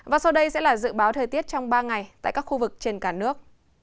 và sau đây sẽ là dự báo thời tiết trong ba ngày tại các khu vực trên cả nước